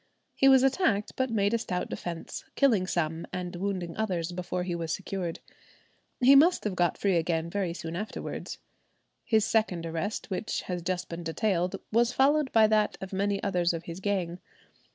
He was attacked, but made a stout defence, killing some and wounding others before he was secured. He must have got free again very soon afterwards. His second arrest, which has just been detailed, was followed by that of many others of his gang.